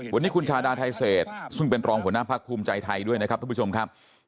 วันนี้คุณชาดาไทเศษซึ่งเป็นรองหัวหน้าพักภูมิใจไทยด้วยนะครับทุกผู้ชมครับ